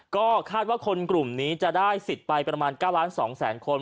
ก็คาดว่าคนกลุ่มนี้จะได้สิทธิ์ไปประมาณ๙ล้าน๒แสนคน